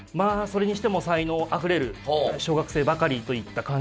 それにしても才能あふれる小学生ばかりといった感じでしたね。